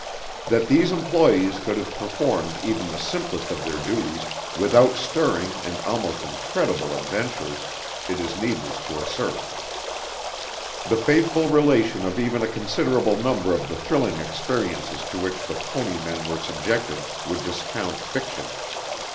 That these employees could have performed even the simplest of their duties, without stirring and almost incredible adventures, it is needless to assert. The faithful relation of even a considerable number of the thrilling experiences to which the "Pony" men were subjected would discount fiction.